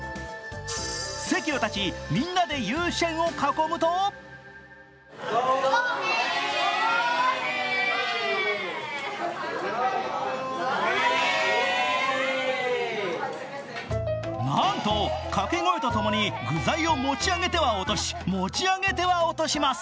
席を立ちみんなでユーシェンを囲むとなんと、掛け声とともに具材を持ち上げては落とし持ち上げては落とします。